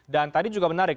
dan tadi juga menarik